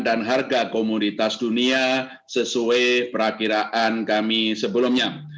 dan harga komunitas dunia sesuai perakiraan kami sebelumnya